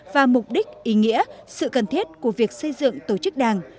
và mục đích ý nghĩa sự cần thiết của việc xây dựng tổ chức đảng